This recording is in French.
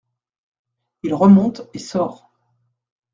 Il remonte et sort.